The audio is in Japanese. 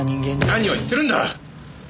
何を言ってるんだ！